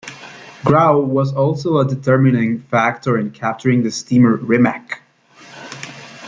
Grau was also a determining factor in capturing the steamer "Rimac".